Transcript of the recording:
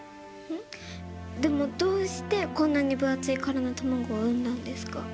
でもどうしてこんなに分厚い殻の卵を産んだんですか？